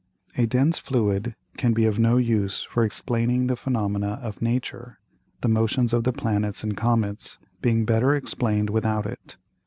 A dense Fluid can be of no use for explaining the Phænomena of Nature, the Motions of the Planets and Comets being better explain'd without it.